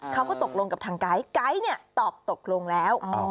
เขาก็ตกลงกับทางไกด์ไก๊เนี่ยตอบตกลงแล้ว